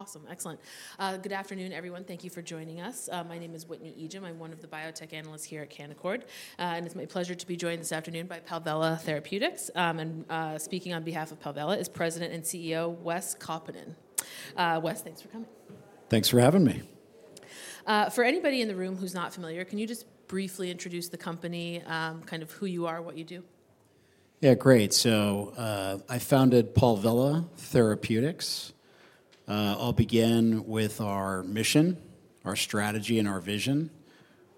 Awesome. Excellent. Good afternoon, everyone. Thank you for joining us. My name is Whitney Ijem. I'm one of the biotech analysts here at Canaccord. It's my pleasure to be joined this afternoon by Palvella Therapeutics. Speaking on behalf of Palvella is President and CEO Wes Kaupinen. Wes, thanks for coming. Thanks for having me. For anybody in the room who's not familiar, can you just briefly introduce the company, kind of who you are, what you do? Yeah, great. I founded Palvella Therapeutics. I'll begin with our mission, our strategy, and our vision,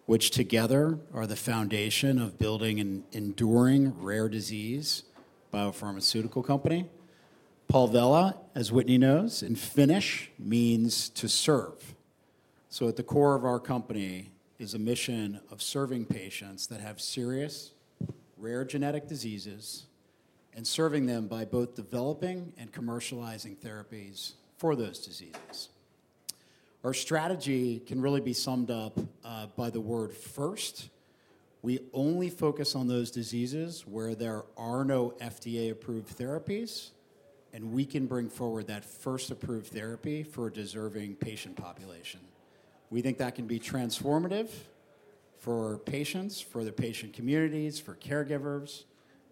which together are the foundation of building an enduring rare disease biopharmaceutical company. Palvella, as Whitney knows, in Finnish means to serve. At the core of our company is a mission of serving patients that have serious, rare genetic diseases and serving them by both developing and commercializing therapies for those diseases. Our strategy can really be summed up by the word "first." We only focus on those diseases where there are no FDA-approved therapies, and we can bring forward that first-approved therapy for a deserving patient population. We think that can be transformative for patients, for the patient communities, for caregivers.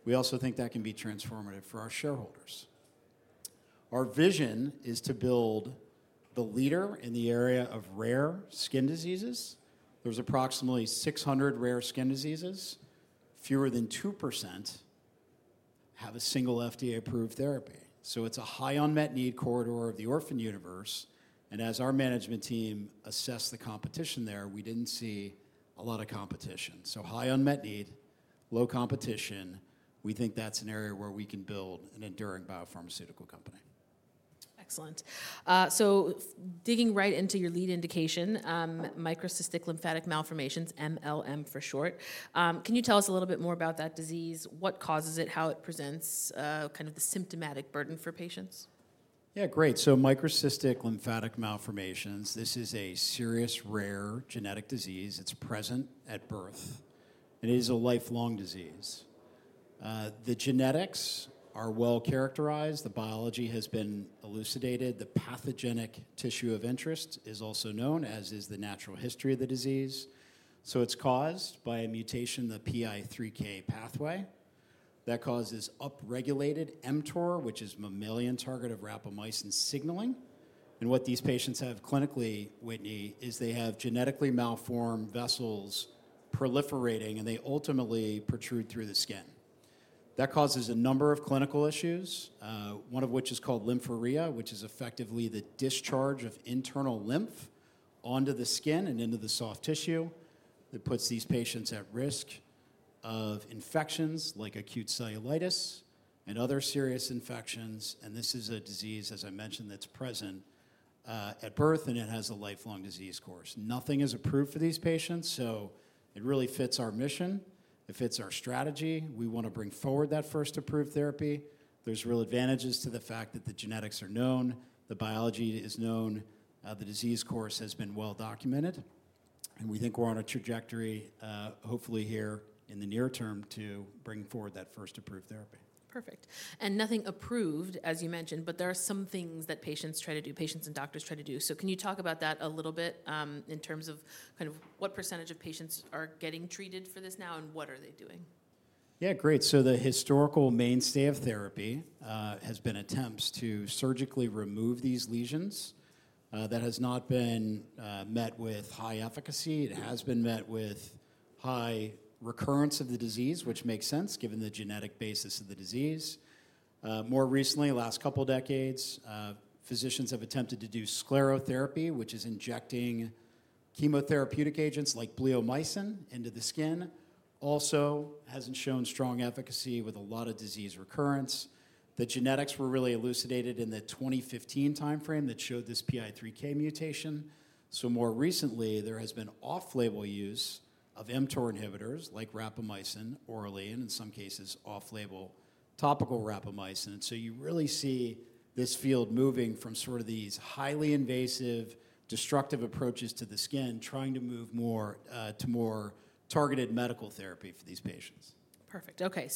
We also think that can be transformative for our shareholders. Our vision is to build the leader in the area of rare skin diseases. There's approximately 600 rare skin diseases. Fewer than 2% have a single FDA-approved therapy. It's a high unmet need corridor of the orphan universe. As our management team assessed the competition there, we didn't see a lot of competition. High unmet need, low competition. We think that's an area where we can build an enduring biopharmaceutical company. Excellent. Digging right into your lead indication, microcystic lymphatic malformations, MLM for short. Can you tell us a little bit more about that disease? What causes it, how it presents, kind of the symptomatic burden for patients? Yeah, great. Microcystic lymphatic malformations, this is a serious, rare genetic disease. It's present at birth. It is a lifelong disease. The genetics are well characterized. The biology has been elucidated. The pathogenic tissue of interest is also known, as is the natural history of the disease. It's caused by a mutation, the PI3K pathway. That causes upregulated mTOR, which is mechanistic target of rapamycin signaling. What these patients have clinically, Whitney, is they have genetically malformed vessels proliferating, and they ultimately protrude through the skin. That causes a number of clinical issues, one of which is called lymphorrhea, which is effectively the discharge of internal lymph onto the skin and into the soft tissue. It puts these patients at risk of infections like acute cellulitis and other serious infections. This is a disease, as I mentioned, that's present at birth, and it has a lifelong disease course. Nothing is approved for these patients. It really fits our mission. It fits our strategy. We want to bring forward that first-approved therapy. There are real advantages to the fact that the genetics are known, the biology is known, the disease course has been well documented. We think we're on a trajectory, hopefully here in the near term, to bring forward that first-approved therapy. Perfect. Nothing approved, as you mentioned, but there are some things that patients try to do, patients and doctors try to do. Can you talk about that a little bit in terms of what percentage of patients are getting treated for this now, and what are they doing? Yeah, great. The historical mainstay of therapy has been attempts to surgically remove these lesions. That has not been met with high efficacy. It has been met with high recurrence of the disease, which makes sense given the genetic basis of the disease. More recently, in the last couple of decades, physicians have attempted to do sclerotherapy, which is injecting chemotherapeutic agents like bleomycin into the skin. This also hasn't shown strong efficacy with a lot of disease recurrence. The genetics were really elucidated in the 2015 time frame that showed this PI3K mutation. More recently, there has been off-label use of mTOR inhibitors like rapamycin orally, and in some cases, off-label topical rapamycin. You really see this field moving from these highly invasive, destructive approaches to the skin, trying to move more to more targeted medical therapy for these patients. Perfect. OK,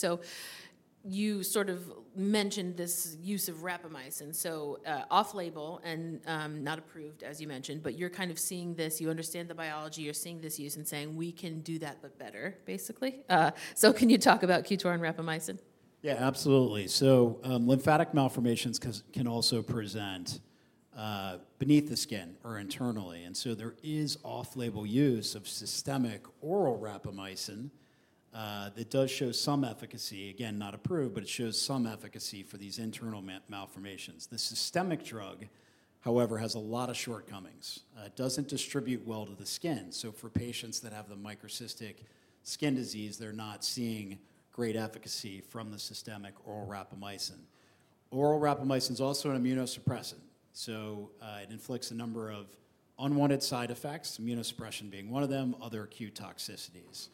you sort of mentioned this use of rapamycin. Off-label and not approved, as you mentioned, but you're kind of seeing this. You understand the biology. You're seeing this use and saying, we can do that, but better, basically. Can you talk about QTORIN™ rapamycin? Yeah, absolutely. Lymphatic malformations can also present beneath the skin or internally. There is off-label use of systemic oral rapamycin that does show some efficacy. Again, not approved, but it shows some efficacy for these internal malformations. The systemic drug, however, has a lot of shortcomings. It doesn't distribute well to the skin. For patients that have the microcystic skin disease, they're not seeing great efficacy from the systemic oral rapamycin. Oral rapamycin is also an immunosuppressant. It inflicts a number of unwanted side effects, immunosuppression being one of them, other acute toxicities.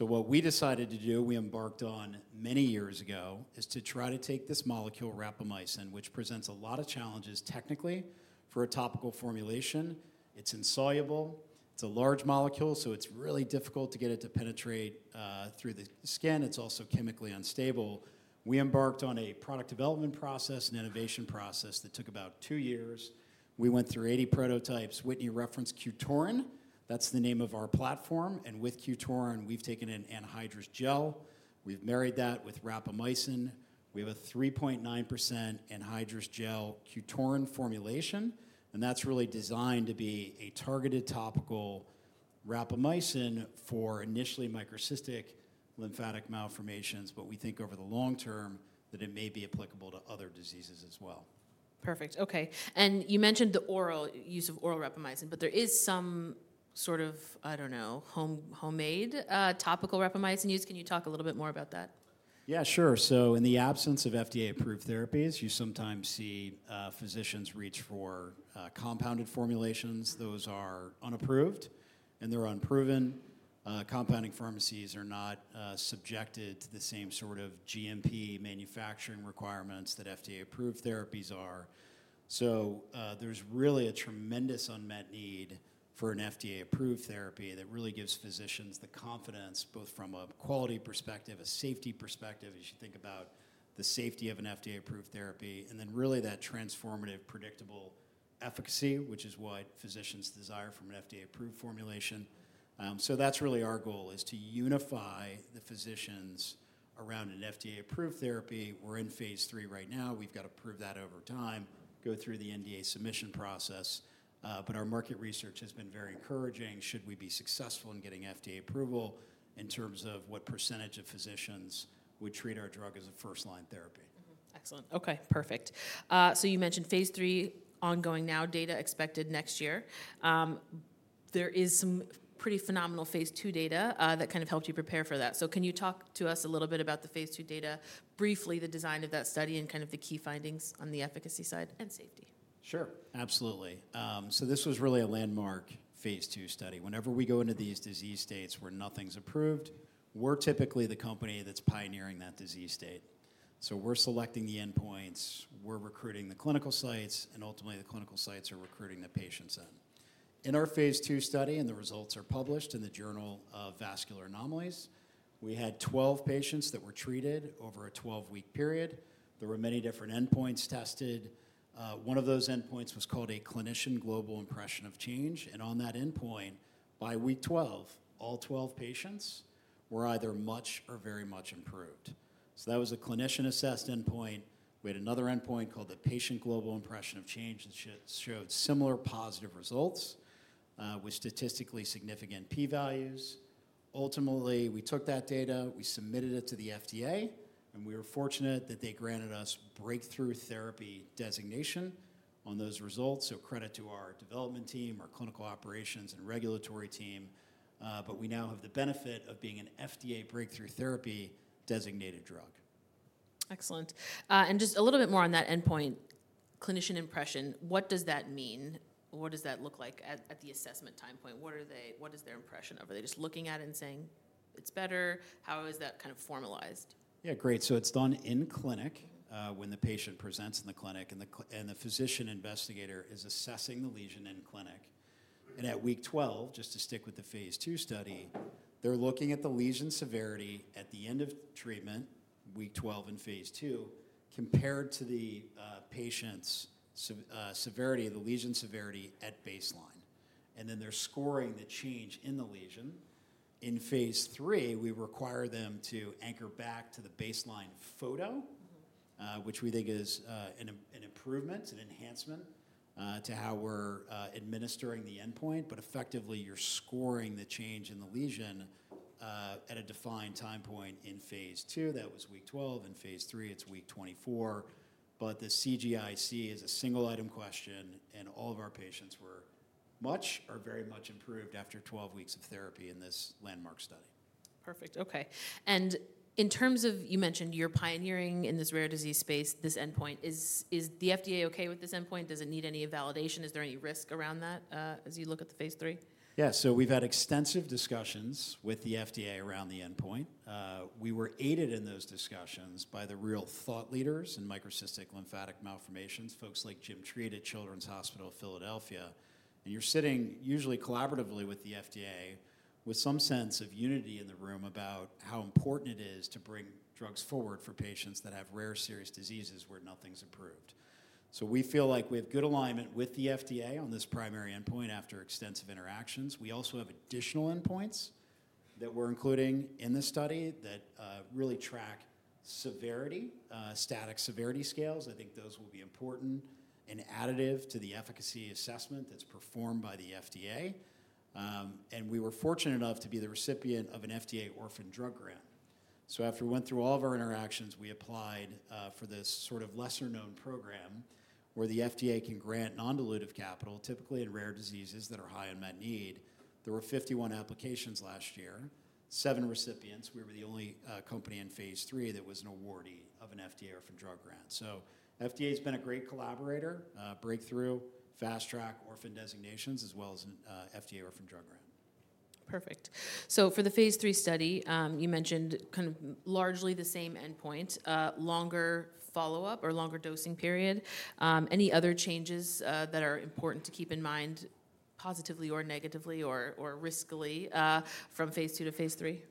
What we decided to do, we embarked on many years ago, is to try to take this molecule, rapamycin, which presents a lot of challenges technically for a topical formulation. It's insoluble. It's a large molecule. It's really difficult to get it to penetrate through the skin. It's also chemically unstable. We embarked on a product development process and innovation process that took about two years. We went through 80 prototypes. Whitney referenced QTORIN. That's the name of our platform. With QTORIN, we've taken an anhydrous gel. We've married that with rapamycin. We have a 3.9% anhydrous gel QTORIN formulation. That's really designed to be a targeted topical rapamycin for initially microcystic lymphatic malformations. We think over the long term that it may be applicable to other diseases as well. Perfect. OK. You mentioned the oral use of oral rapamycin, but there is some sort of, I don't know, homemade topical rapamycin use. Can you talk a little bit more about that? Yeah, sure. In the absence of FDA-approved therapies, you sometimes see physicians reach for compounded formulations. Those are unapproved, and they're unproven. Compounding pharmacies are not subjected to the same sort of GMP manufacturing requirements that FDA-approved therapies are. There's really a tremendous unmet need for an FDA-approved therapy that gives physicians the confidence, both from a quality perspective and a safety perspective, as you think about the safety of an FDA-approved therapy, and then that transformative, predictable efficacy, which is what physicians desire from an FDA-approved formulation. That's really our goal, to unify the physicians around an FDA-approved therapy. We're in phase 3 right now. We've got to prove that over time and go through the NDA submission process. Our market research has been very encouraging. Should we be successful in getting FDA approval in terms of what percentage of physicians would treat our drug as a first-line therapy? Excellent. OK, perfect. You mentioned phase 3 ongoing now, data expected next year. There is some pretty phenomenal phase 2 data that kind of helped you prepare for that. Can you talk to us a little bit about the phase 2 data, briefly the design of that study, and the key findings on the efficacy side and safety? Sure, absolutely. This was really a landmark phase 2 study. Whenever we go into these disease states where nothing's approved, we're typically the company that's pioneering that disease state. We're selecting the endpoints, we're recruiting the clinical sites, and ultimately, the clinical sites are recruiting the patients in. In our phase 2 study, and the results are published in the Journal of Vascular Anomalies, we had 12 patients that were treated over a 12-week period. There were many different endpoints tested. One of those endpoints was called a clinician global impression of change. On that endpoint, by week 12, all 12 patients were either much or very much improved. That was a clinician-assessed endpoint. We had another endpoint called the patient global impression of change, and it showed similar positive results with statistically significant p-values. Ultimately, we took that data, we submitted it to the FDA, and we were fortunate that they granted us breakthrough therapy designation on those results. Credit to our development team, our clinical operations and regulatory team. We now have the benefit of being an FDA breakthrough therapy designated drug. Excellent. A little bit more on that endpoint, clinician impression. What does that mean? What does that look like at the assessment time point? What is their impression of it? Are they just looking at it and saying, it's better? How is that kind of formalized? Yeah, great. It's done in clinic when the patient presents in the clinic, and the physician investigator is assessing the lesion in clinic. At week 12, just to stick with the phase 2 study, they're looking at the lesion severity at the end of treatment, week 12 in phase 2, compared to the patient's severity, the lesion severity at baseline. They're scoring the change in the lesion. In phase 3, we require them to anchor back to the baseline photo, which we think is an improvement, an enhancement to how we're administering the endpoint. Effectively, you're scoring the change in the lesion at a defined time point. In phase 2, that was week 12. In phase 3, it's week 24. The CGIC is a single item question. All of our patients were much or very much improved after 12 weeks of therapy in this landmark study. Perfect. OK. In terms of you mentioned you're pioneering in this rare disease space, this endpoint. Is the FDA OK with this endpoint? Does it need any validation? Is there any risk around that as you look at the phase 3? Yeah, so we've had extensive discussions with the FDA around the endpoint. We were aided in those discussions by the real thought leaders in microcystic lymphatic malformations, folks like Jim Triet at Children's Hospital of Philadelphia. You're usually sitting collaboratively with the FDA with some sense of unity in the room about how important it is to bring drugs forward for patients that have rare serious diseases where nothing's approved. We feel like we have good alignment with the FDA on this primary endpoint after extensive interactions. We also have additional endpoints that we're including in the study that really track severity, static severity scales. I think those will be important and additive to the efficacy assessment that's performed by the FDA. We were fortunate enough to be the recipient of an FDA orphan drug grant. After we went through all of our interactions, we applied for this sort of lesser-known program where the FDA can grant non-dilutive capital, typically in rare diseases that are high unmet need. There were 51 applications last year, seven recipients. We were the only company in phase 3 that was an awardee of an FDA orphan drug grant. The FDA has been a great collaborator, breakthrough, fast track, orphan designations, as well as an FDA orphan drug grant. Perfect. For the phase 3 study, you mentioned kind of largely the same endpoint, longer follow-up or longer dosing period. Any other changes that are important to keep in mind, positively or negatively or riskily, from phase 2 to phase 3?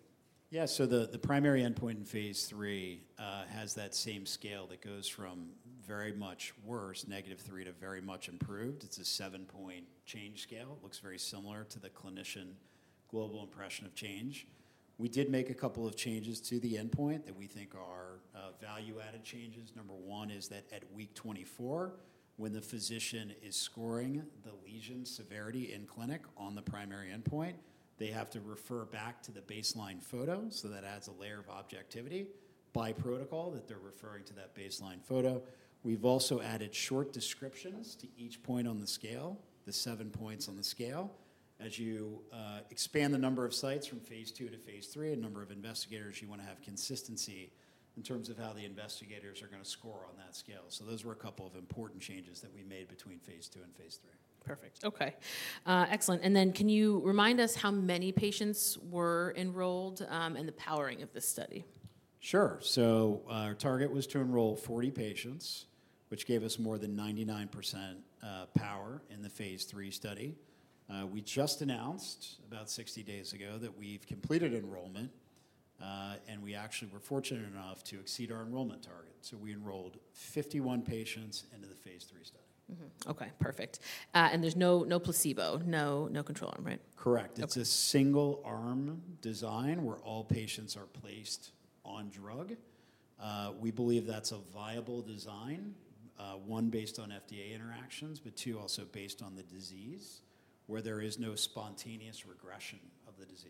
Yeah, so the primary endpoint in phase 3 has that same scale that goes from very much worse, -3, to very much improved. It's a seven-point change scale. It looks very similar to the clinician global impression of change. We did make a couple of changes to the endpoint that we think are value-added changes. Number one is that at week 24, when the physician is scoring the lesion severity in clinic on the primary endpoint, they have to refer back to the baseline photo. That adds a layer of objectivity by protocol that they're referring to that baseline photo. We've also added short descriptions to each point on the scale, the seven points on the scale. As you expand the number of sites from phase 2 to phase 3, a number of investigators, you want to have consistency in terms of how the investigators are going to score on that scale. Those were a couple of important changes that we made between phase 2 and phase 3. Perfect. OK. Excellent. Can you remind us how many patients were enrolled in the powering of this study? Sure. Our target was to enroll 40 patients, which gave us more than 99% power in the phase 3 study. We just announced about 60 days ago that we've completed enrollment. We actually were fortunate enough to exceed our enrollment target, so we enrolled 51 patients into the phase 3 study. OK, perfect. There's no placebo, no control arm, right? Correct. It's a single-arm design where all patients are placed on drug. We believe that's a viable design, one, based on FDA interactions, but two, also based on the disease, where there is no spontaneous regression of the disease.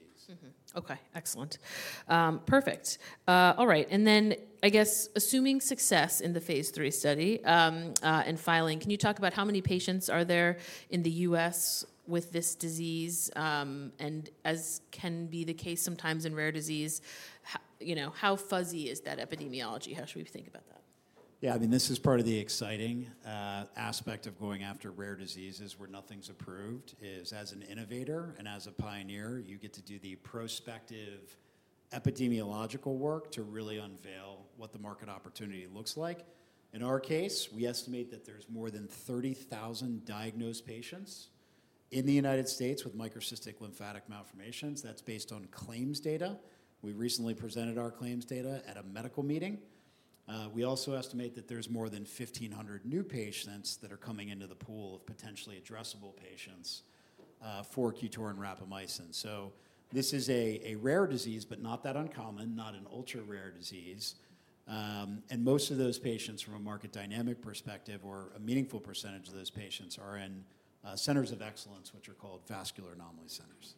OK. Excellent. Perfect. All right. I guess assuming success in the phase 3 study and filing, can you talk about how many patients are there in the U.S. with this disease? As can be the case sometimes in rare disease, you know, how fuzzy is that epidemiology? How should we think about that? Yeah, I mean, this is part of the exciting aspect of going after rare diseases where nothing's approved. As an innovator and as a pioneer, you get to do the prospective epidemiological work to really unveil what the market opportunity looks like. In our case, we estimate that there's more than 30,000 diagnosed patients in the U.S. with microcystic lymphatic malformations. That's based on claims data. We recently presented our claims data at a medical meeting. We also estimate that there's more than 1,500 new patients that are coming into the pool of potentially addressable patients for QTORIN™ rapamycin. This is a rare disease, but not that uncommon, not an ultra-rare disease. Most of those patients, from a market dynamic perspective or a meaningful percentage of those patients, are in centers of excellence, which are called vascular anomaly centers.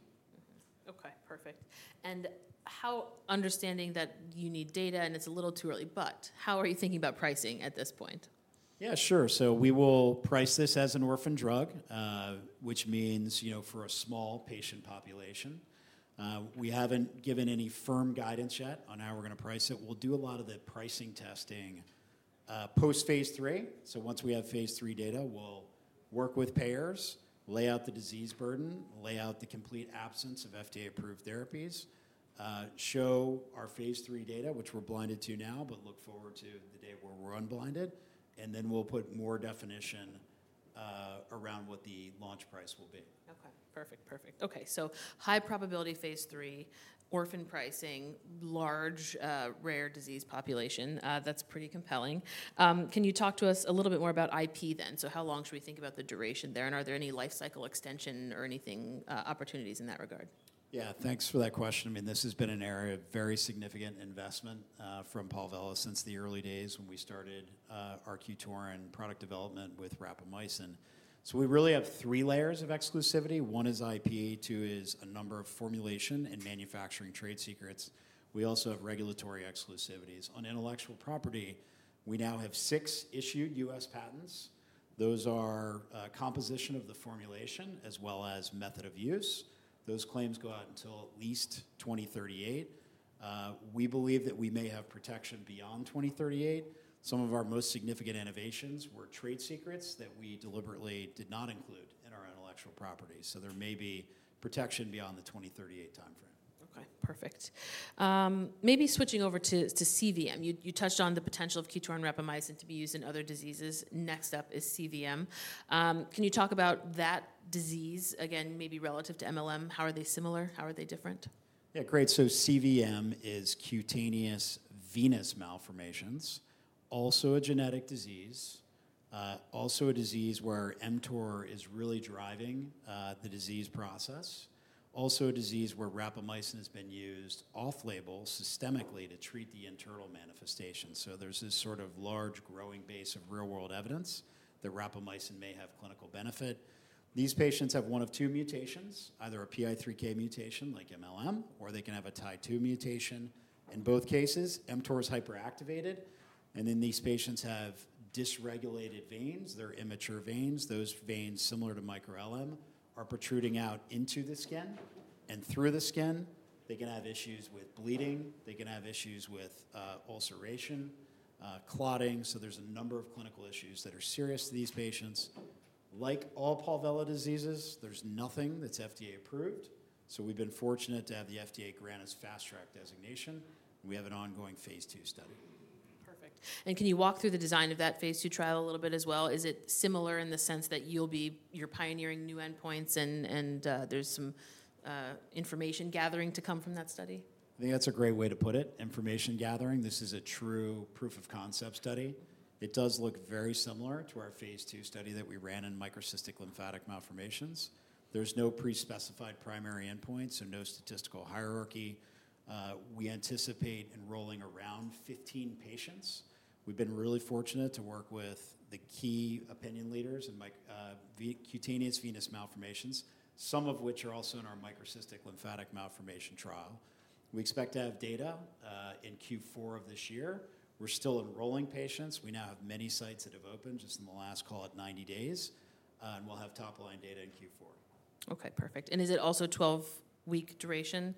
OK, perfect. How, understanding that you need data and it's a little too early, are you thinking about pricing at this point? Yeah, sure. We will price this as an orphan drug, which means, you know, for a small patient population. We haven't given any firm guidance yet on how we're going to price it. We'll do a lot of the pricing testing post phase 3. Once we have phase 3 data, we'll work with payers, lay out the disease burden, lay out the complete absence of FDA-approved therapies, show our phase 3 data, which we're blinded to now, but look forward to the day where we're unblinded. Then we'll put more definition around what the launch price will be. OK, perfect, perfect. OK, high probability phase 3, orphan pricing, large rare disease population. That's pretty compelling. Can you talk to us a little bit more about IP then? How long should we think about the duration there? Are there any lifecycle extension or anything, opportunities in that regard? Yeah, thanks for that question. I mean, this has been an area of very significant investment from Palvella since the early days when we started our QTORIN™ product development with rapamycin. We really have three layers of exclusivity. One is IP. Two is a number of formulation and manufacturing trade secrets. We also have regulatory exclusivities. On intellectual property, we now have six issued U.S. patents. Those are composition of the formulation as well as method of use. Those claims go out until at least 2038. We believe that we may have protection beyond 2038. Some of our most significant innovations were trade secrets that we deliberately did not include in our intellectual property. There may be protection beyond the 2038 time frame. OK, perfect. Maybe switching over to CVM. You touched on the potential of QTORIN™ rapamycin to be used in other diseases. Next up is CVM. Can you talk about that disease again, maybe relative to MLM? How are they similar? How are they different? Yeah, great. CVM is cutaneous venous malformations, also a genetic disease, also a disease where mTOR is really driving the disease process, also a disease where rapamycin has been used off-label systemically to treat the internal manifestation. There is this sort of large growing base of real-world evidence that rapamycin may have clinical benefit. These patients have one of two mutations, either a PI3K mutation like MLM, or they can have a TIE2 mutation. In both cases, mTOR is hyperactivated. These patients have dysregulated veins. They're immature veins. Those veins, similar to micro-LM, are protruding out into the skin. Through the skin, they can have issues with bleeding. They can have issues with ulceration, clotting. There are a number of clinical issues that are serious to these patients. Like all Palvella diseases, there's nothing that's FDA approved. We've been fortunate to have the FDA grant us fast track designation. We have an ongoing phase 2 study. Perfect. Can you walk through the design of that phase 2 trial a little bit as well? Is it similar in the sense that you're pioneering new endpoints and there's some information gathering to come from that study? I think that's a great way to put it, information gathering. This is a true proof of concept study. It does look very similar to our phase 2 study that we ran in microcystic lymphatic malformations. There's no pre-specified primary endpoints and no statistical hierarchy. We anticipate enrolling around 15 patients. We've been really fortunate to work with the key opinion leaders in cutaneous venous malformations, some of which are also in our microcystic lymphatic malformation trial. We expect to have data in Q4 of this year. We're still enrolling patients. We now have many sites that have opened just in the last, call it, 90 days. We'll have top line data in Q4. OK, perfect. Is it also 12-week duration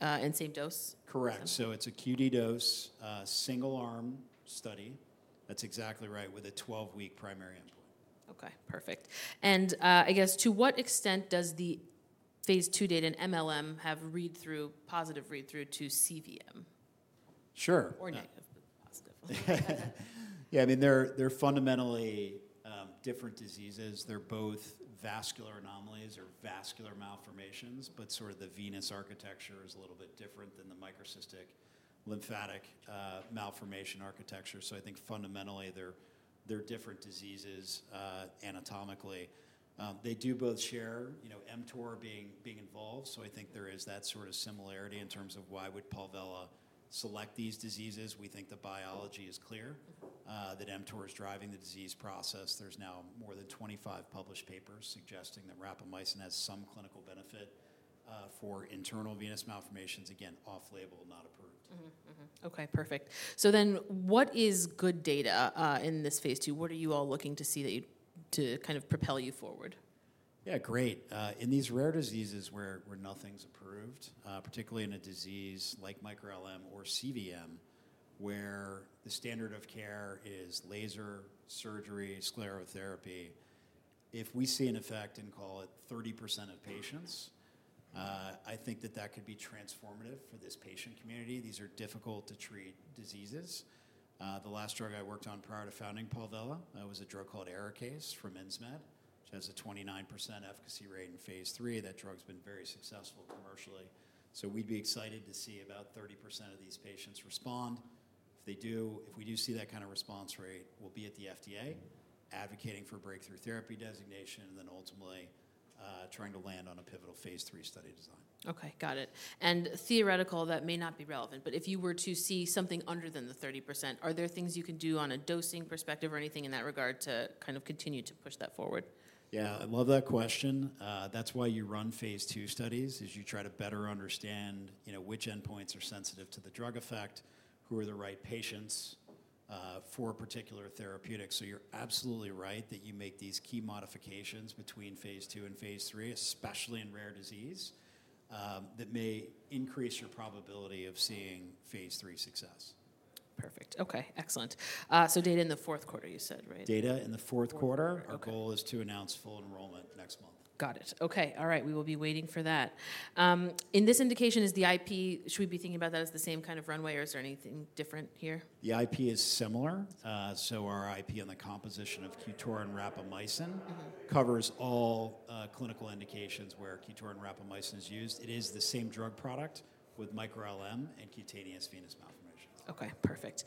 and same dose? Correct. It's a QD dose, single arm study. That's exactly right, with a 12-week primary endpoint. OK, perfect. I guess to what extent does the phase 2 data in MLM have read-through, positive read-through to CVM? Sure. Or negative? Yeah, I mean, they're fundamentally different diseases. They're both vascular anomalies or vascular malformations, but the venous architecture is a little bit different than the microcystic lymphatic malformation architecture. I think fundamentally, they're different diseases anatomically. They do both share mTOR being involved. I think there is that similarity in terms of why would Palvella select these diseases. We think the biology is clear that mTOR is driving the disease process. There's now more than 25 published papers suggesting that rapamycin has some clinical benefit for internal venous malformations, again, off-label, not approved. OK, perfect. What is good data in this phase 2? What are you all looking to see to kind of propel you forward? Yeah, great. In these rare diseases where nothing's approved, particularly in a disease like microcystic lymphatic malformations or cutaneous venous malformations, where the standard of care is laser surgery, sclerotherapy, if we see an effect in, call it, 30% of patients, I think that that could be transformative for this patient community. These are difficult-to-treat diseases. The last drug I worked on prior to founding Palvella, that was a drug called EraCase from InzMed, which has a 29% efficacy rate in phase 3. That drug's been very successful commercially. We'd be excited to see about 30% of these patients respond. If we do see that kind of response rate, we'll be at the FDA advocating for breakthrough therapy designation and then ultimately trying to land on a pivotal phase 3 study design. OK, got it. That may not be relevant. If you were to see something under the 30%, are there things you can do on a dosing perspective or anything in that regard to kind of continue to push that forward? Yeah, I love that question. That's why you run phase 2 studies, is you try to better understand which endpoints are sensitive to the drug effect, who are the right patients for a particular therapeutic. You're absolutely right that you make these key modifications between phase 2 and phase 3, especially in rare disease, that may increase your probability of seeing phase 3 success. Perfect. OK, excellent. Data in the fourth quarter, you said, right? Data in the fourth quarter. Our goal is to announce full enrollment next month. Got it. OK, all right. We will be waiting for that. In this indication, is the IP, should we be thinking about that as the same kind of runway, or is there anything different here? The IP is similar. Our IP on the composition of QTORIN™ rapamycin covers all clinical indications where QTORIN™ rapamycin is used. It is the same drug product with microcystic lymphatic malformations and cutaneous venous malformation. OK, perfect.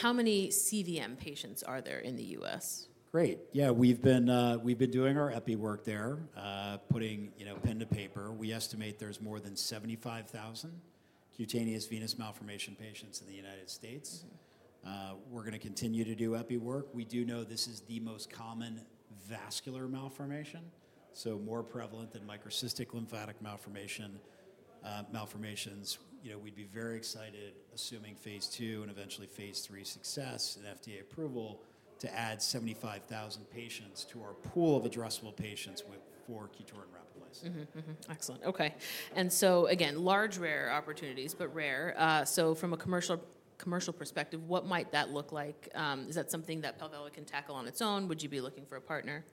How many CVM patients are there in the U.S.? Great. Yeah, we've been doing our EPI work there, putting pen to paper. We estimate there's more than 75,000 cutaneous venous malformation patients in the U.S. We're going to continue to do EPI work. We do know this is the most common vascular malformation, so more prevalent than microcystic lymphatic malformations. We'd be very excited, assuming phase 2 and eventually phase 3 success and FDA approval, to add 75,000 patients to our pool of addressable patients for QTORIN™ rapamycin 3.9% anhydrous gel. Excellent. OK. Again, large rare opportunities, but rare. From a commercial perspective, what might that look like? Is that something that Palvella can tackle on its own? Would you be looking for a partner?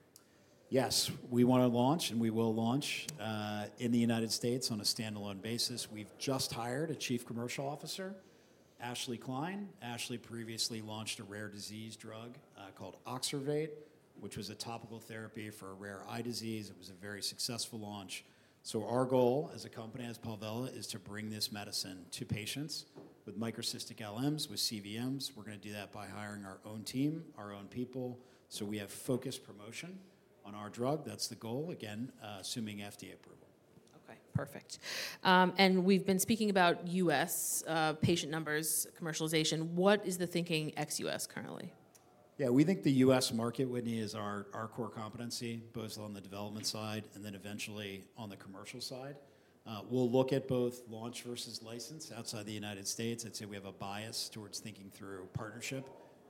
Yes, we want to launch, and we will launch in the U.S. on a standalone basis. We've just hired a Chief Commercial Officer, Ashley Klein. Ashley previously launched a rare disease drug called Oxervate, which was a topical therapy for a rare eye disease. It was a very successful launch. Our goal as a company, as Palvella, is to bring this medicine to patients with microcystic LMs, with CVMs. We are going to do that by hiring our own team, our own people. We have focused promotion on our drug. That's the goal, again, assuming FDA approval. OK, perfect. We've been speaking about U.S. patient numbers, commercialization. What is the thinking ex-U.S. currently? Yeah, we think the U.S. market, Whitney, is our core competency, both on the development side and then eventually on the commercial side. We'll look at both launch versus license outside the United States. I'd say we have a bias towards thinking through partnership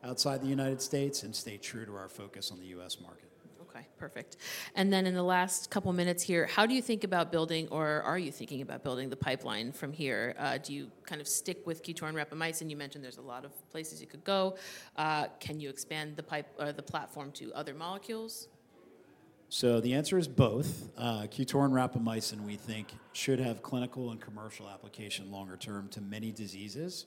outside the United States and stay true to our focus on the U.S. market. OK, perfect. In the last couple of minutes here, how do you think about building, or are you thinking about building the pipeline from here? Do you kind of stick with QTORIN™ rapamycin? You mentioned there's a lot of places you could go. Can you expand the platform to other molecules? The answer is both. QTORIN™ rapamycin, we think, should have clinical and commercial application longer term to many diseases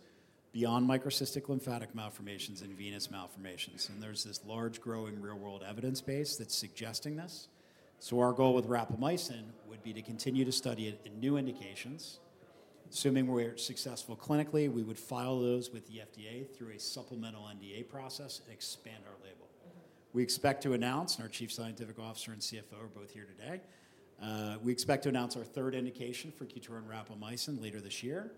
beyond microcystic lymphatic malformations and cutaneous venous malformations. There is this large, growing real-world evidence base that's suggesting this. Our goal with rapamycin would be to continue to study it in new indications. Assuming we're successful clinically, we would file those with the FDA through a supplemental NDA process and expand our label. We expect to announce, and our Chief Scientific Officer and CFO are both here today, we expect to announce our third indication for QTORIN™ rapamycin later this year.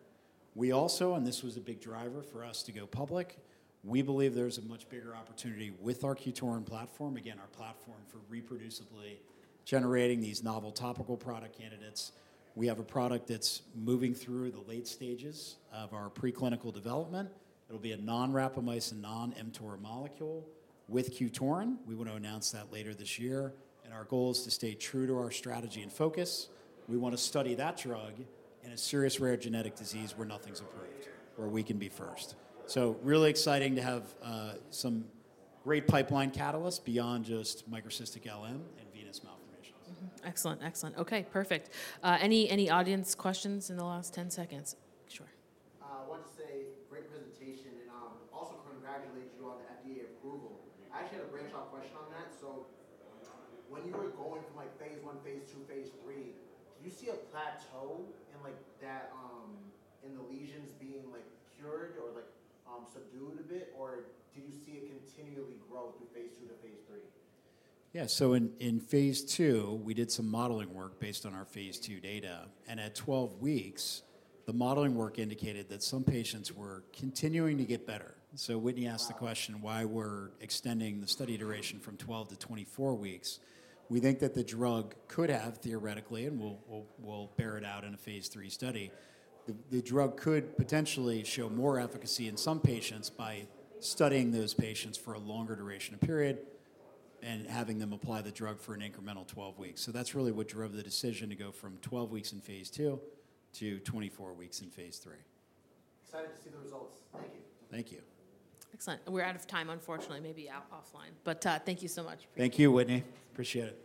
This was a big driver for us to go public. We believe there's a much bigger opportunity with our QTORIN™ platform, again, our platform for reproducibly generating these novel topical product candidates. We have a product that's moving through the late stages of our preclinical development. It will be a non-rapamycin, non-mTOR molecule with QTORIN™. We want to announce that later this year. Our goal is to stay true to our strategy and focus. We want to study that drug in a serious rare genetic disease where nothing's approved, where we can be first. It is really exciting to have some great pipeline catalysts beyond just microcystic lymphatic malformations and cutaneous venous malformations. Excellent, excellent. OK, perfect. Any audience questions in the last 10 seconds? Sure. Also, congratulate you on the FDA approval. I actually had a brain shock question on that. When you are going from phase one, phase two, phase three, do you see a plateau in that, in the lesions being cured or subdued a bit? Or do you see it continually grow through phase two to phase three? Yeah, in phase 2, we did some modeling work based on our phase 2 data. At 12 weeks, the modeling work indicated that some patients were continuing to get better. Whitney asked the question, why we're extending the study duration from 12-24 weeks. We think that the drug could have, theoretically, and we'll bear it out in a phase 3 study, the drug could potentially show more efficacy in some patients by studying those patients for a longer duration of period and having them apply the drug for an incremental 12 weeks. That's really what drove the decision to go from 12 weeks in phase 2-24 weeks in phase 3. See the results. Thank you. Excellent. We're out of time, unfortunately. Maybe offline. Thank you so much. Thank you, Whitney. Appreciate it.